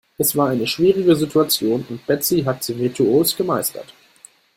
Es war eine schwierige Situation und Betsy hat sie virtuos gemeistert.